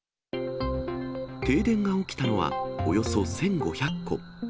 停電が起きたのはおよそ１５００戸。